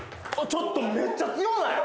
ちょっとめっちゃ強ない？